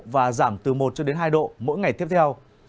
và giảm từ một hai độ mỗi ngày tiếp theo